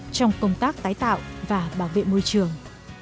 trong công tác tái tạo và bảo vệ môi trường